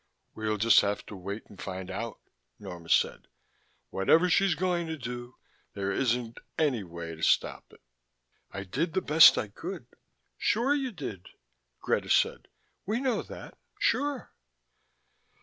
"We'll just have to wait and find out," Norma said. "Whatever she's going to do, there isn't any way to stop it. I did the best I could " "Sure you did," Greta said. "We know that. Sure."